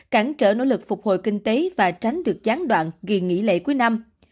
cản trở nỗ lực phục hồi kinh tế và tránh được gián đoạn kỳ nghỉ lễ cuối năm